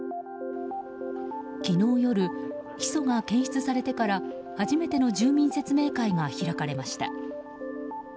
昨日夜、ヒ素が検出されてから初めての住民説明会が開かれました。